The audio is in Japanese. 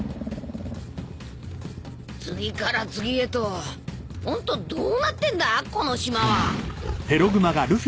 次から次へとホントどうなってんだこの島は！？